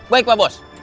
baik pak bos